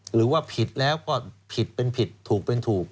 หรือว่าผิดแล้วก็ผิดเป็นผิดถูกเป็นถูก